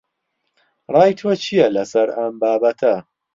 ڕای تۆ چییە لەسەر ئەم بابەتە؟